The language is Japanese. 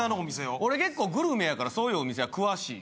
俺、結構グルメやからそういうお店詳しいよ。